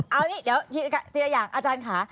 เอานี่เดี๋ยวอาจารย์ขา